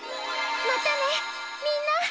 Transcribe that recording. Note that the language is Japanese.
またねみんな！